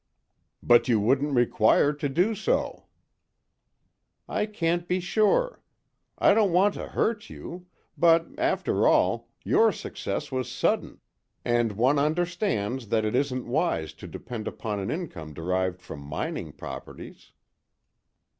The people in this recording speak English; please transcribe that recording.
"But you wouldn't require to do so." "I can't be sure. I don't want to hurt you; but, after all, your success was sudden, and one understands that it isn't wise to depend upon an income derived from mining properties."